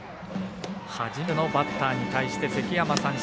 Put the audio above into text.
初めてのバッターに対して関山、三振。